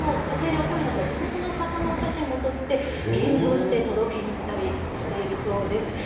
撮影でお世話になった地元の方のお写真も撮って、現像して届けに行ったりしているそうです。